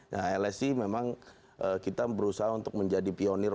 nah lsi memang kita berusaha untuk menjadi pionir